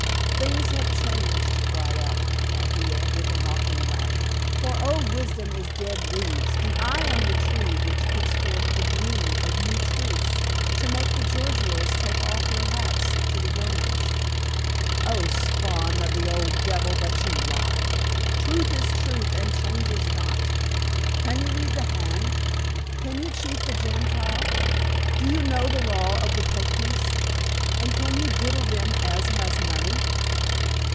"Things have changed," cried out Chaldea with a mocking laugh. "For old wisdom is dead leaves, and I am the tree which puts forth the green of new truths to make the Gorgios take off their hats to the Romans." "Oh, spawn of the old devil, but you lie. Truth is truth and changes not. Can you read the hand? can you cheat the Gentile? do you know the law of the Poknees, and can you diddle them as has money?